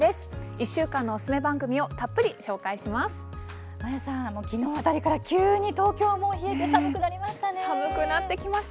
１週間のおすすめ番組をたっぷり紹介します。